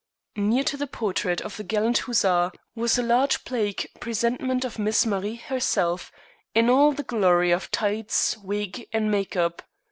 Near to the portrait of the gallant huzzar was a large plaque presentment of Miss Marie herself, in all the glory of tights, wig, and make up.